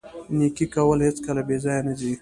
نیکي کول هیڅکله بې ځایه نه ځي.